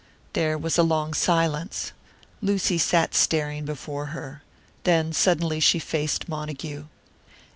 There was a long silence. Lucy sat staring before her. Then suddenly she faced Montague.